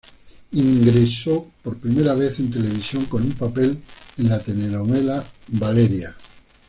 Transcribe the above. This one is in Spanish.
Ingresó por primera vez en televisión, con un papel en la telenovela "Valeria".